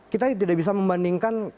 kita tidak bisa membandingkan